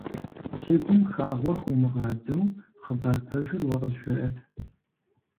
Си гум хагъуэ хыумыгъадзэу хъыбар пэжыр уэ къызжеӀэт.